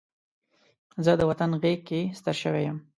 زه د وطن غېږ کې ستر شوی یم